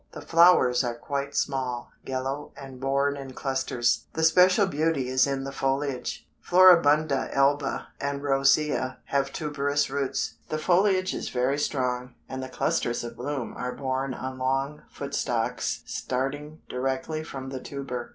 The flowers are quite small, yellow, and borne in clusters. The special beauty is in the foliage. Floribunda alba and rosea have tuberous roots. The foliage is very strong, and the clusters of bloom are borne on long foot stalks starting directly from the tuber.